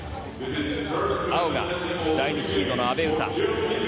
青が第２シードの阿部詩。